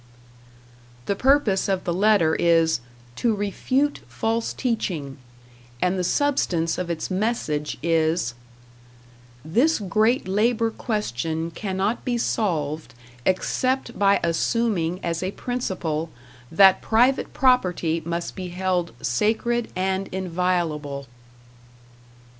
The purpose of the letter is "to refute false teaching," and the substance of its message is: This great labor question cannot be solved except by assuming as a principle that private property must be held sacred and inviolable.